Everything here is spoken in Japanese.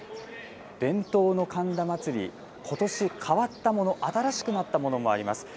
伝統の神田祭、ことし、変わったもの、新しくなったものもあります。